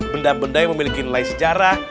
benda benda yang memiliki nilai sejarah